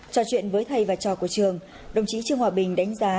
trò chuyện với thầy và trò của trường đồng chí trương hòa bình đánh giá